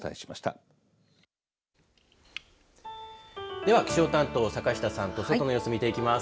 では気象担当、坂下さんと外の様子を見ていきます。